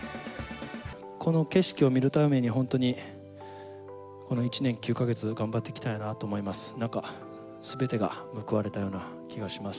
この景色を見るために、本当にこの１年９か月、頑張ってきたんやなと思います。